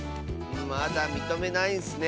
まだみとめないんッスね。